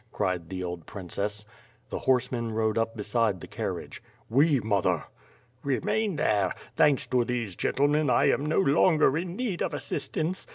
'* cried the old princess, The horsemen rode up beside the carriage. "We, mother!" "Remain there! Thanks to these gentlemen, I am no longer in need of assistance.